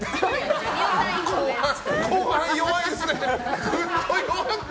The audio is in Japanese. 後半弱いですね。